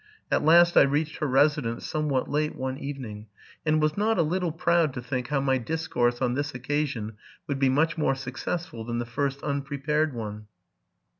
At last I reached her residence some what late one evening, and was not a little proud to think how my discourse on this occasion would be much more successful than the first unprepared one.